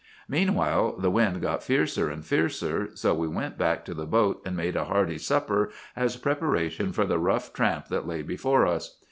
"Meanwhile the wind got fiercer and fiercer, so we went back to the boat and made a hearty supper as preparation for the rough tramp that lay before us.